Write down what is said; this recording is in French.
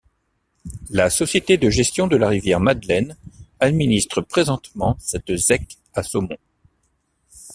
La Société de gestion de la rivière Madeleine administre présentement cette zec à saumon.